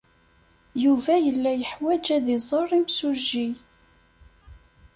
Yuba yella yeḥwaj ad iẓer imsujji.